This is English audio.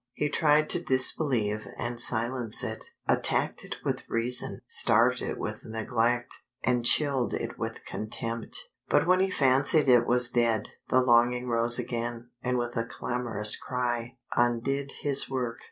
He tried to disbelieve and silence it; attacked it with reason, starved it with neglect, and chilled it with contempt. But when he fancied it was dead, the longing rose again, and with a clamorous cry, undid his work.